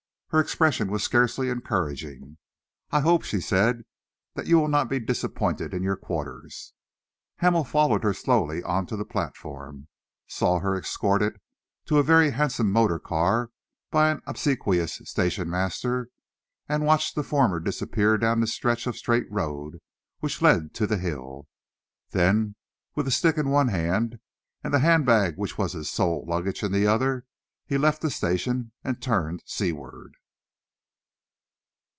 Her expression was scarcely encouraging. "I hope," she said, "that you will not be disappointed in your quarters." Hamel followed her slowly on to the platform, saw her escorted to a very handsome motor car by an obsequious station master, and watched the former disappear down the stretch of straight road which led to the hill. Then, with a stick in one hand, and the handbag which was his sole luggage in the other, he left the station and turned seaward.